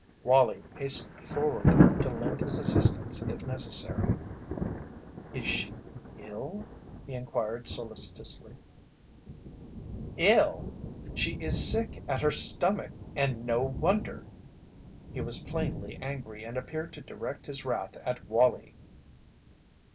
Wallie hastened forward to lend his assistance if necessary. "Is she ill?" he inquired, solicitously. "Ill! She is sick at her stomach and no wonder!" He was plainly angry and appeared to direct his wrath at Wallie.